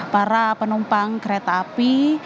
para penumpang kereta api